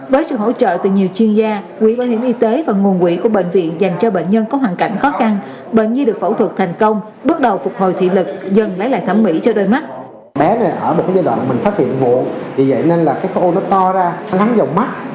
với sự hỗ trợ từ nhiều chuyên gia quỹ bảo hiểm y tế và nguồn quỹ của bệnh viện dành cho bệnh nhân có hoàn cảnh khó khăn bệnh nhi được phẫu thuật thành công bước đầu phục hồi thị lực dần lấy lại thẩm mỹ cho đôi mắt